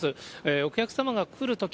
お客様が来るとき